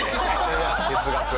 哲学。